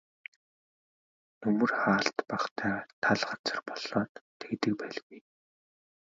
Нөмөр хаалт багатай тал газар болоод тэгдэг байлгүй.